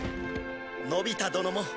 のび太殿も。